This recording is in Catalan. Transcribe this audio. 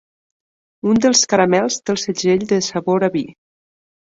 Un dels caramels té el segell de sabor a vi.